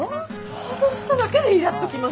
想像しただけでイラッときます！